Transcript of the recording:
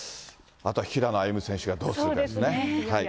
あとは平野歩夢選手がどうするかですよね。